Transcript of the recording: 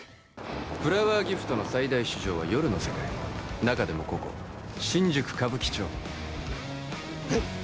フラワーギフトの最大市場は夜の世界中でもここ新宿歌舞伎町えっ